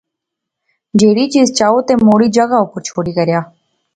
جیہری چیز چاَئو تے موڑی جغہ اوپر شوڑیا کرو